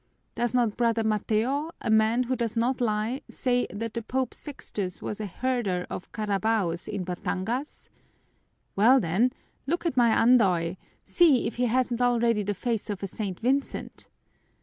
Does not Brother Mateo, a man who does not lie, say that Pope Sextus was a herder of carabaos in Batangas? Well then, look at my Andoy, see if he hasn't already the face of a St. Vincent!"